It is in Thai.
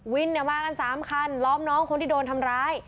วินเนี้ยมากันสามคันล้อมน้องคนที่โดนทำร้าย